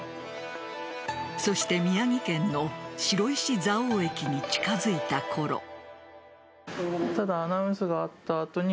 そして宮城県の白石蔵王駅に近づいたころ。